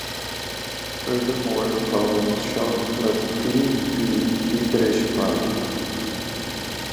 Furthermore, the following was shown: Let "p" be a Wieferich prime.